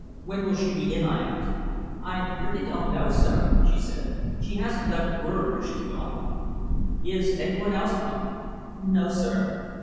"When will she be in?" I asked. "I really don't know, sir," she said. "She hasn't left word where she's gone." "Is anyone else at home?" "No, sir."